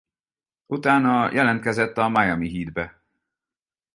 Utána jelentkezett a Miami Heat-be.